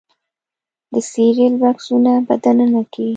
د سیریل بکسونو په دننه کې